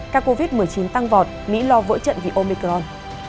các covid một mươi chín tăng vọt mỹ lo vỡ trận vì omicron